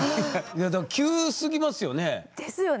急すぎますよね？